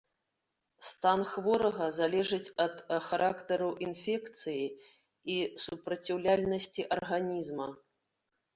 Стан хворага залежыць ад характару інфекцыі і супраціўляльнасці арганізма.